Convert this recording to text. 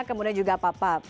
kemudian juga pak prasetya